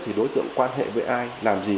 thì đối tượng quan hệ với ai làm gì